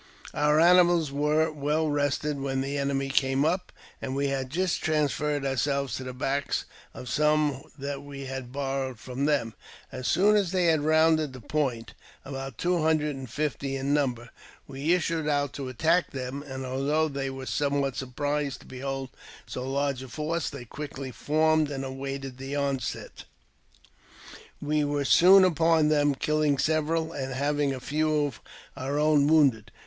Our animals were well ^ rested when the enemy came up, and we had just transferrec^B ourselves to the backs of some that we had borrowed from '* them. As soon as they had rounded the point — about two hundred and fifty in number — we issued out to attack them ; and, although they were somewhat surprised to behold so large a force, they quickly formed and awaited the onset. We were soon upon them, killing several, and having a few of our own wounded.